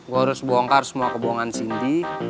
gue harus bongkar semua kebohongan cindy